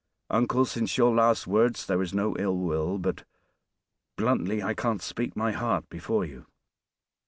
Uncle, since your last words there is no ill will; but (bluntly) I can't speak my heart before you."